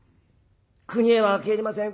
「国へは帰りません。